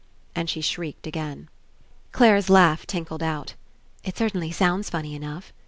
And she shrieked again. Clare's laugh tinkled out. "It certainly sounds funny enough.